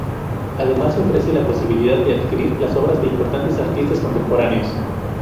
Además se ofrece la posibilidad de adquirir las obras de importantes artistas contemporáneos.